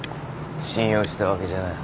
信用したわけじゃない。